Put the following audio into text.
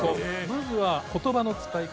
まずは言葉の使い方。